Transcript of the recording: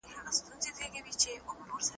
د شرعي قاعدو په اساس ئې هغه لږ مقدار معتبر دی.